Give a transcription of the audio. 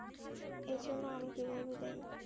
এর জন্য আমি কীভাবে দায়ী?